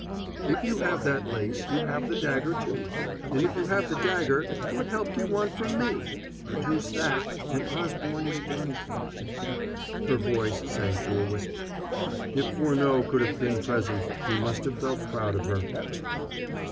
"If you have that lace, you have the dagger, too. And if you have the dagger, what help do you want from me? Produce that, and Osborne is done for." Her voice sank to a whisper. If Furneaux could have been present he must have felt proud of her.